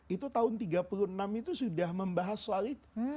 itu tahun tiga puluh enam itu sudah membahas soal itu